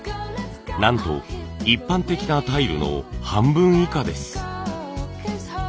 なんと一般的なタイルの半分以下です。